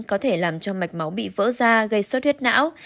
có thể làm cho mạch máu bị vỡ ra gây suốt huyết não